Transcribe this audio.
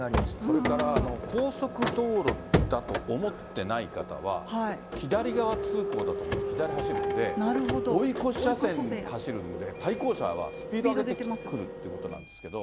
それから高速道路だと思ってない方は、左側通行だと思って左走るんで、追い越し車線走るんで、対向車はスピード上げてくるってことなんですけど。